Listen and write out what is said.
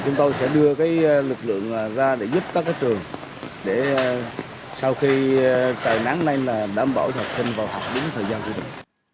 chúng tôi sẽ đưa lực lượng ra để giúp các trường sau khi trời nắng này đảm bảo cho học sinh vào học đúng thời gian quy định